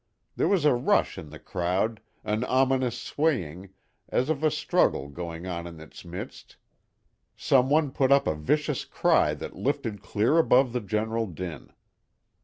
There was a rush in the crowd, an ominous swaying, as of a struggle going on in its midst. Some one put up a vicious cry that lifted clear above the general din.